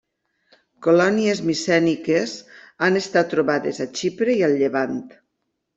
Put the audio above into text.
Colònies micèniques han estat trobades a Xipre i al llevant.